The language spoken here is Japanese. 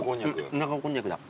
田舎こんにゃくだ。